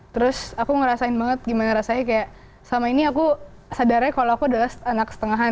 terus aku ngerasain banget gimana rasanya kayak selama ini aku sadarnya kalau aku ada di indonesia aku harusnya di kick